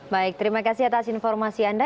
baik terima kasih atas informasi anda